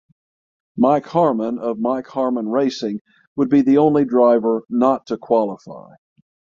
Mike Harmon of Mike Harmon Racing would be the only driver not to qualify.